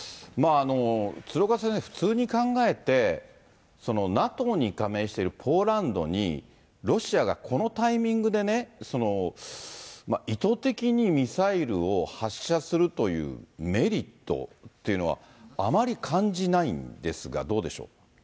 鶴岡先生、普通に考えて、ＮＡＴＯに加盟しているポーランドに、ロシアがこのタイミングでね、意図的にミサイルを発射するというメリットというのはあまり感じないんですが、どうでしょう。